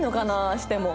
しても。